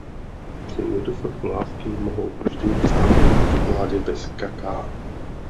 Při nedostatku lásky mohou vždy sáhnout po čokoládě bez kakaa.